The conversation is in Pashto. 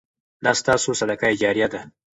دا ستاسو صدقه جاریه ده.